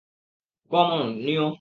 কাম on, নিও!